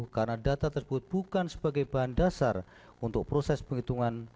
karena data tersebut bukan sebagai bahan dasar untuk proses penghitungan